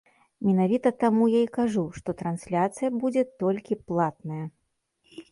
Менавіта таму я і кажу, што трансляцыя будзе толькі платная!